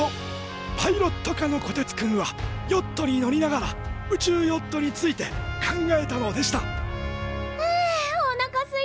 パイロット科のこてつくんはヨットに乗りながら宇宙ヨットについて考えたのでしたふおなかすいた！